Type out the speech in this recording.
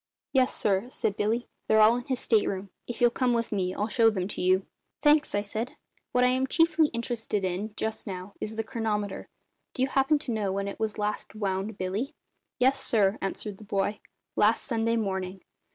"Yes, sir," said Billy. "They're all in his state room. If you'll come with me I'll show them to you." "Thanks," I said. "What I am chiefly interested in, just now, is the chronometer. Do you happen to know when it was last wound, Billy?" "Yes, sir," answered the boy; "last Sunday morning.